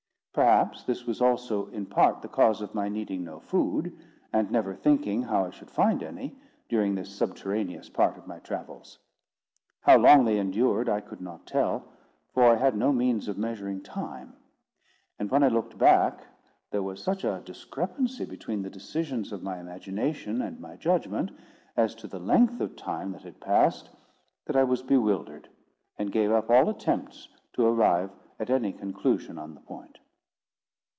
Perhaps this was also in part the cause of my needing no food, and never thinking how I should find any, during this subterraneous part of my travels. How long they endured I could not tell, for I had no means of measuring time; and when I looked back, there was such a discrepancy between the decisions of my imagination and my judgment, as to the length of time that had passed, that I was bewildered, and gave up all attempts to arrive at any conclusion on the point.